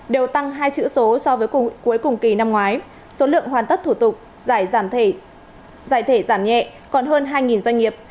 đều tăng hai chữ số so với cùng cuối cùng kỳ năm ngoái số lượng hoàn tất thủ tục giải thể giảm nhẹ còn hơn hai doanh nghiệp